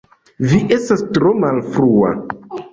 Vi estas tro malfrua